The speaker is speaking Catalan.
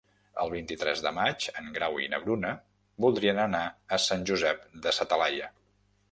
El vint-i-tres de maig en Grau i na Bruna voldrien anar a Sant Josep de sa Talaia.